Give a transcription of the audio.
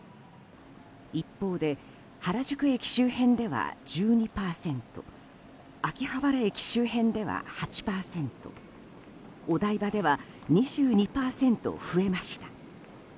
一方で原宿駅周辺では１２％秋葉原駅周辺では８％お台場では２２％増えました。